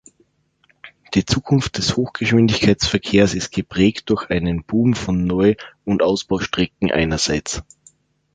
Die Zukunft des Hochgeschwindigkeitsverkehrs ist geprägt durch einen Boom von Neu- und Ausbaustrecken einerseits.